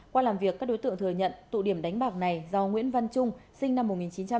qua làm việc các đối tượng thừa nhận tụ điểm đánh bạc này do nguyễn văn trung sinh năm một nghìn chín trăm tám mươi